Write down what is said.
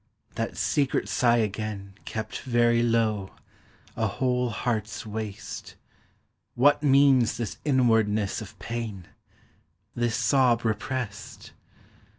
that secret sigh again Kept very low, a whole heartâs waste; What means this inwardness of pain? This sob repressed?